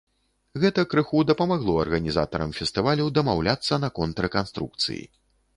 Гэта крыху дапамагло арганізатарам фестывалю дамаўляцца наконт рэканструкцыі.